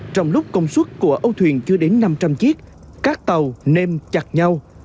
trong lúc công suất của âu thuyền chưa đến năm trăm linh chiếc các tàu nem chặt nhau